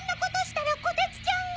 たらこてつちゃんが。